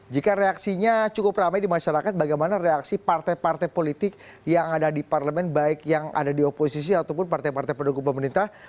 jika reaksinya cukup ramai di masyarakat bagaimana reaksi partai partai politik yang ada di parlemen baik yang ada di oposisi ataupun partai partai pendukung pemerintah